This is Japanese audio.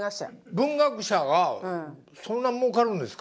文学者がそんなもうかるんですか？